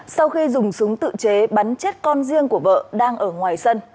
sau khi dùng súng tự chế bắn chết con riêng của vợ đang ở ngoài sân